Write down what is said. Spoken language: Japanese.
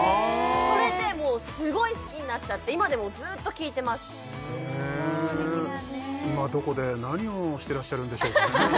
それですごい好きになっちゃって今でもずーっと聴いてますへえ今どこで何をしてらっしゃるんでしょうかね